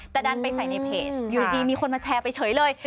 แต่ดันไปใส่ในเพจอยู่ดีมีคนมาแชร์ไปเฉยเลย